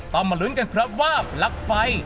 มาลุ้นกันครับว่าปลั๊กไฟ